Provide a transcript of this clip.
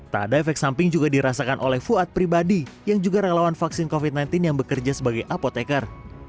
tak ada efek samping juga dirasakan oleh fuad pribadi yang juga relawan vaksin covid sembilan belas yang bekerja sebagai apotekar